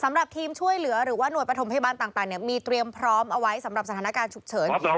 สำหรับทีมช่วยเหลือหรือว่าหน่วยปฐมพยาบาลต่างมีเตรียมพร้อมเอาไว้สำหรับสถานการณ์ฉุกเฉิน